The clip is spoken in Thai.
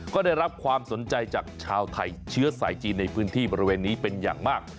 ก็ได้รับความสนใจจากชาวไทยเชื้อสายจีนในพื้นที่บริเวณนี้เป็นอย่างมาก